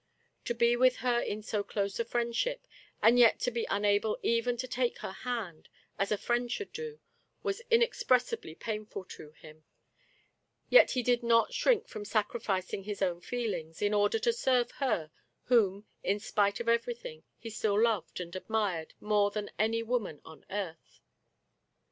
To be with her in so close a friendship, and yet to be unable even to take her hand as a friend should do, was inexpressibly painful to him, Digitized by Google Io6 THE FATE OF FENELLA. yet he did not shrink from sacrificing his own feelings in order to serve her, whom, in spite of everything, he still loved and admired more than any woman on earth.